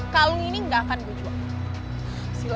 kalung ini nggak akan gue jual